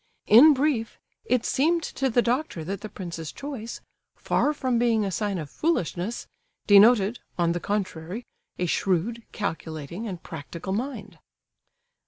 In brief, it seemed to the doctor that the prince's choice, far from being a sign of foolishness, denoted, on the contrary, a shrewd, calculating, and practical mind.